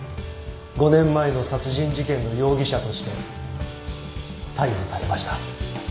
５年前の殺人事件の容疑者として逮捕されました。